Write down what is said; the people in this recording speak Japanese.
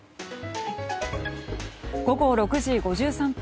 午後６時５３分。